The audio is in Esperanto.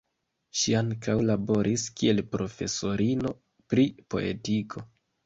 Ŝi ankaŭ laboris kiel profesorino pri poetiko.